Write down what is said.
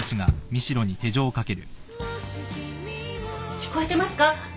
聞こえてますか？